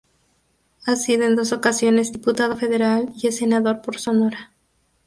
Ha sido en dos ocasiones Diputado Federal y es Senador por Sonora.